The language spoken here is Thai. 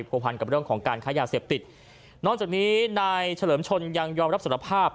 ผัวพันกับเรื่องของการค้ายาเสพติดนอกจากนี้นายเฉลิมชนยังยอมรับสารภาพ